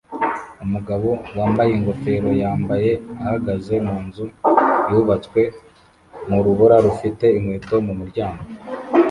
umugabo wambaye ingofero yambaye ahagaze munzu yubatswe mu rubura rufite inkweto mu muryango